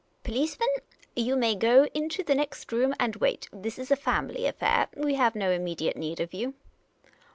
" Policemen, you may go into the next room and wait ; this is a family aifair ; we have no immediate need of you."